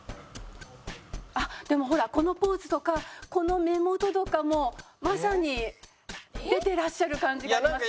あっでもほらこのポーズとかこの目元とかもまさに出てらっしゃる感じがあります。